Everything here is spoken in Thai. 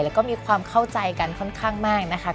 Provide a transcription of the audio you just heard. แล้วก็มีความเข้าใจกันค่อนข้างมากนะคะ